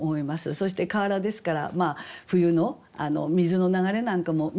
そして河原ですから冬の水の流れなんかも見えてきますよね。